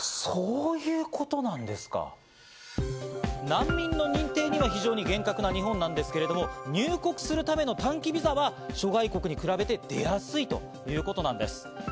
難民の認定には非常に厳格な日本なんですけど、入国するための短期ビザは諸外国に比べて出やすいということなんです。